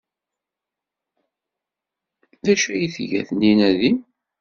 D acu ay tga Taninna din?